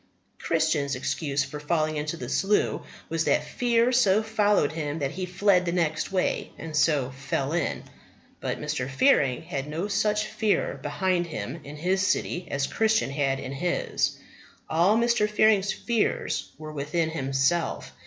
Christian's excuse for falling into the Slough was that fear so followed him that he fled the next way, and so fell in. But Mr. Fearing had no such fear behind him in his city as Christian had in his. All Mr. Fearing's fears were within himself.